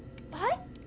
はい？